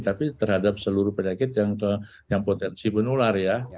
tapi terhadap seluruh penyakit yang potensi menular ya